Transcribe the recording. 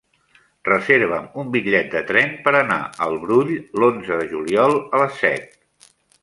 Reserva'm un bitllet de tren per anar al Brull l'onze de juliol a les set.